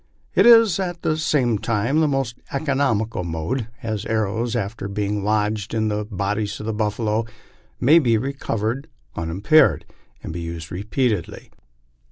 It is, at the same time, the most economical mode, as the arrows, after being lodged in the bodies of the buffalo, may be recovered unimpaired, and be used repeatedly.